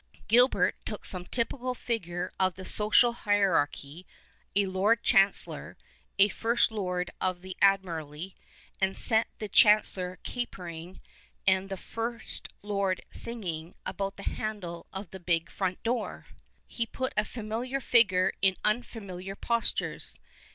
Gilbert took some typical figure of the social hier archy — a Lord Chancellor, a First Lord of the Admiralty — and set the Chancellor capering and the First Lord singing about the handle of the big front door. He put a familiar figure in unfamiliar postures.